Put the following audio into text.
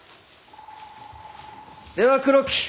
では黒木。